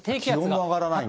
気温が上がらないんだ。